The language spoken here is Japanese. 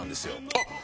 あっ！